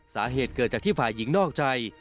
สาเหตุเกิดจากที่ฝ่ายหญิงนอกใจ